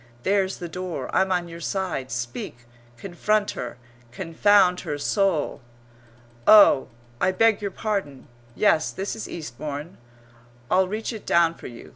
There's the door! I'm on your side. Speak! Confront her, confound her soul! "Oh, I beg your pardon! Yes, this is Eastbourne. I'll reach it down for you.